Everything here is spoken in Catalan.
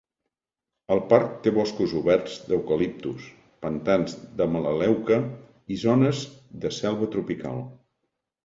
El parc té boscos oberts d'eucaliptus, pantans de melaleuca i zones de selva tropical.